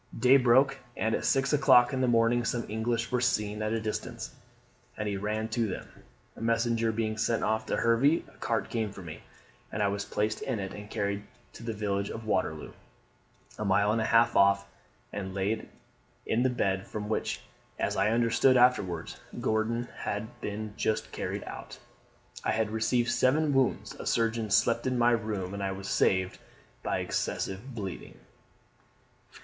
"Day broke; and at six o'clock in the morning some English were seen at a distance, and he ran to them. A messenger being sent off to Hervey, a cart came for me, and I was placed in it, and carried to the village of Waterloo, a mile and a half off, and laid in the bed from which as I understood afterwards, Gordon had been just carried out. I had received seven wounds; a surgeon slept in my room, and I was saved by excessive bleeding."